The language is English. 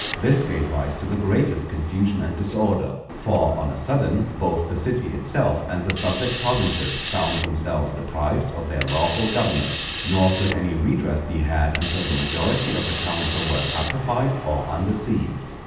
This gave rise to the greatest confusion and disorder; for, on a sudden, both the city itself and the subject provinces found themselves deprived of their lawful governors; nor could any redress be had until the majority of the council were pacified or undeceived.